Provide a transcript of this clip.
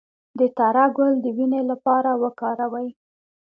د تره ګل د وینې لپاره وکاروئ